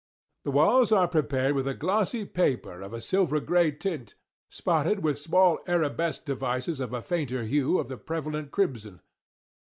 The walls are prepared with a glossy paper of a silver gray tint, spotted with small Arabesque devices of a fainter hue of the prevalent crimson.